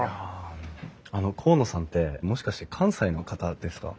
あの河野さんってもしかして関西の方ですか？